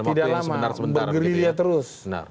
tidak lama bergerilya terus